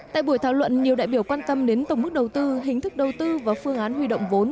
tại buổi thảo luận nhiều đại biểu quan tâm đến tổng mức đầu tư hình thức đầu tư và phương án huy động vốn